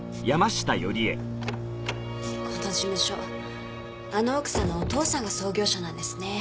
この事務所あの奥さんのお父さんが創業者なんですね。